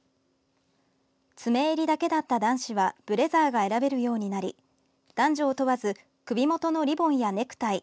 詰め襟だけだった男子はブレザーが選べるようになり男女を問わず首元のリボンやネクタイ